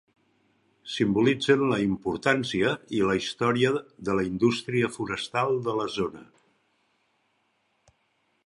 Simbolitzen la importància i la història de la indústria forestal de la zona.